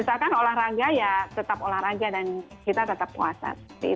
misalkan olahraga ya tetap olahraga dan kita tetap puasa